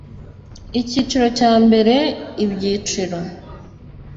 icyiciro cya mbere ibyiciro